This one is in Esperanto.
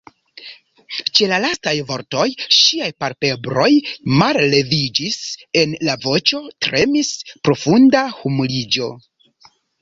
Ĉe la lastaj vortoj ŝiaj palpebroj malleviĝis; en la voĉo tremis profunda humiliĝo.